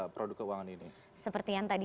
produk keuangan ini seperti yang tadi